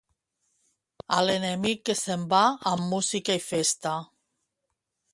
A l'enemic que se'n va, amb música i festa.